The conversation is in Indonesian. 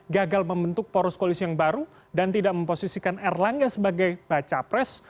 gagal membentuk poros koalisi yang baru dan tidak memposisikan erlangga sebagai baca pres